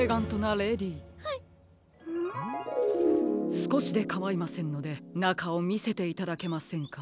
すこしでかまいませんのでなかをみせていただけませんか？